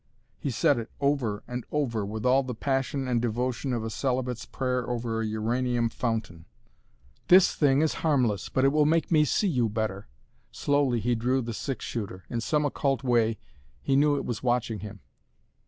He said it over and over, with all the passion and devotion of a celibate's prayer over a uranium fountain. "This thing is harmless but it will make me see you better!" Slowly he drew the six shooter. In some occult way he knew it was watching him.